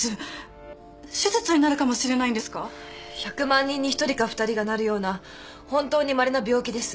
１００万人に１人か２人がなるような本当にまれな病気です。